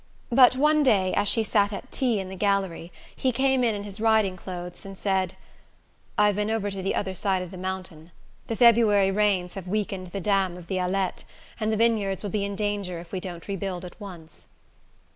But one day, as she sat at tea in the gallery, he came in in his riding clothes and said: "I've been over to the other side of the mountain. The February rains have weakened the dam of the Alette, and the vineyards will be in danger if we don't rebuild at once."